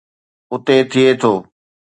اتي ٿئي ٿو.